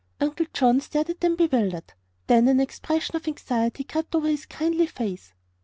Uncle John stared at them bewildered. Then an expression of anxiety crept over his kindly face.